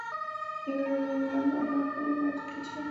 雷本是一个位于美国阿拉巴马州鲍德温县的非建制地区。